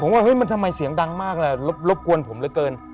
ว่าเฮ้ยมันทำไมเสียงดังมากล่ะรบกวนผมเหลือเกิน